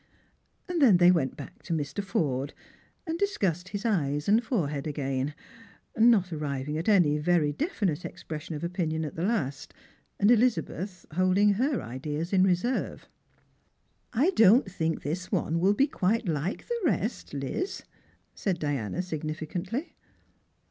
And then they went back to Mr. Forde, and discussed his eyes and forehead over again; not arrivingat any very definite expression of opinion at the last, and Elizabeth holding her ideas in reserve. " I don't think this one will be quite like the rest, Liz," said Diana significantly.